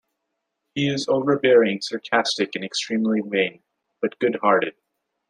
He is overbearing, sarcastic, and extremely vain, but good-hearted.